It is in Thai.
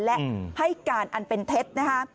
และให้การอันเป็นเท็จนะคะ